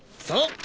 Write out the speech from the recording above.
そう！